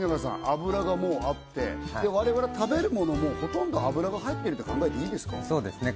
油がもうあって我々食べるものもほとんど油が入ってるって考えていいですかそうですね